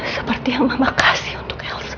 seperti yang mama kasih untuk hels